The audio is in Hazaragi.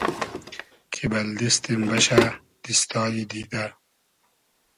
کی بئل دیستیم بئشۂ دیستای دیدۂ